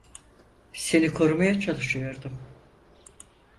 Seni korumaya çalışıyordum.